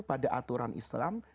pada aturan islam